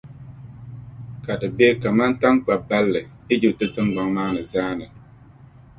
ka di be kaman taŋkpa’ balli Ijipti tiŋgbɔŋ maa zaa ni.